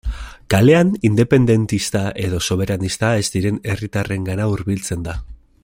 Kalean independentista edo soberanista ez diren herritarrengana hurbiltzen da.